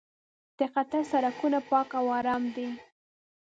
د قطر سړکونه پاک او ارام دي.